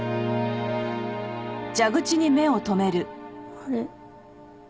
あれ？